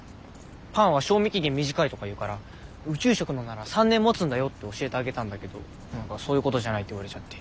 「パンは賞味期限短い」とか言うから宇宙食のなら３年もつんだよって教えてあげたんだけど何かそういうことじゃないって言われちゃって。